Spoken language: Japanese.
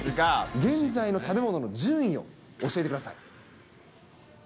現在の食べ物の順位を教えてください。